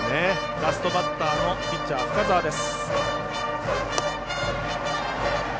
ラストバッターのピッチャー、深沢です。